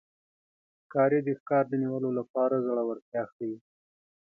ښکاري د ښکار د نیولو لپاره زړورتیا ښيي.